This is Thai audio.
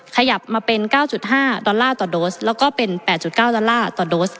ขยับมาเป็นเก้าจุดห้าดอลลาร์ต่อโดสแล้วก็เป็นแปดจุดเก้าดอลลาร์ต่อโดส